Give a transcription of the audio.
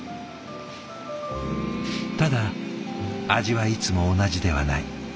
ただ味はいつも同じではない。